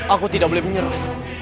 aku tidak boleh menyerah